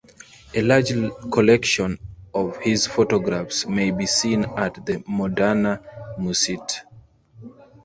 A large collection of his photographs may be seen at the Moderna museet.